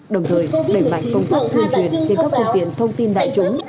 đồng thời đẩy mạnh công tác tuyên truyền trên các phương tiện thông tin đại chúng